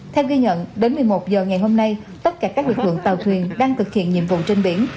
theo ghi nhận đến một mươi một h ngày hôm nay tất cả các lực lượng tàu thuyền đang thực hiện nhiệm vụ trên biển